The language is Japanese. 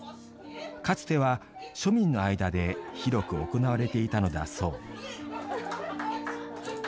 かつては庶民の間で広く行われていたのだそう。